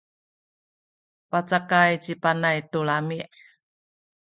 pacakay ci Panay tu lami’.